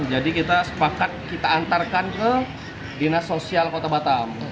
jadi kita sepakat kita antarkan ke dinas sosial kota batam